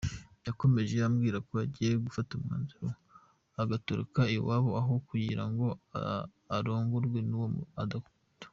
Yakomeje ambwira ko agiye gufata umwanzuro agatoroka iwabo aho kugirango arongorwe n’uwo adakunda.